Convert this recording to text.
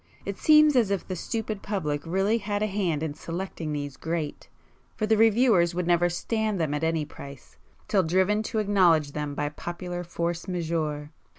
It seems as if the stupid public really had a hand in selecting these 'great,' for the reviewers would never stand them at any price, till driven to acknowledge them by the popular force majeure.